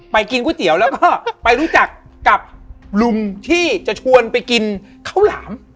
กินก๋วยเตี๋ยวแล้วก็ไปรู้จักกับลุงที่จะชวนไปกินข้าวหลาม